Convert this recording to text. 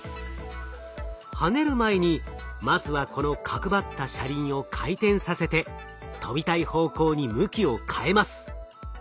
跳ねる前にまずはこの角張った車輪を回転させて跳びたい方向に向きを変えます。